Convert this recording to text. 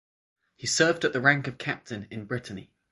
He served at rank of captain in Brittany.